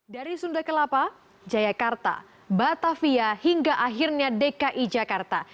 dari sunda kelapa jayakarta batavia hingga akhirnya dki jakarta